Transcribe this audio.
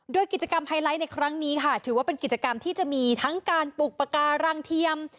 โดยกิจกรรมไฮไลท์ในครั้งนี้ค่ะถือว่าเป็นกิจกรรมที่จะมีทั้งการปลูกปากการังเทียม